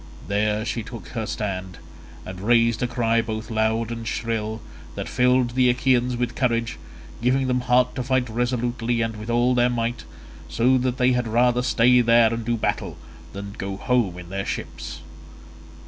There she took her stand, and raised a cry both loud and shrill that filled the Achaeans with courage, giving them heart to fight resolutely and with all their might, so that they had rather stay there and do battle than go home in their ships.